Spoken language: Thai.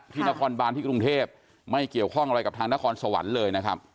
นครบานที่กรุงเทพไม่เกี่ยวข้องอะไรกับทางนครสวรรค์เลยนะครับ